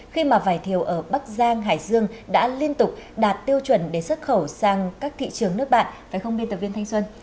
khi mà vải thiều ở bắc giang hải dương đã liên tục đạt tiêu chuẩn để xuất khẩu sang các thị trường nước bạn phải không biên tập viên thanh xuân